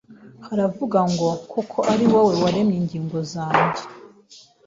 haravuga ngo” kuko ari wowe waremye ingingo zanjye